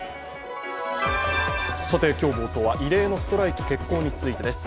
さて今日冒頭は異例のストライキ決行についてです。